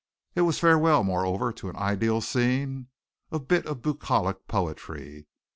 It was farewell, moreover, to an ideal scene, a bit of bucolic poetry.